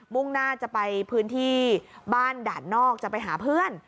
่งหน้าจะไปพื้นที่บ้านด่านนอกจะไปหาเพื่อน